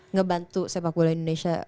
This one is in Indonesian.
ngebantu sepak bola indonesia